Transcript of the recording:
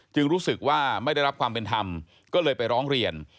รู้สึกว่าไม่ได้รับความเป็นธรรมก็เลยไปร้องเรียน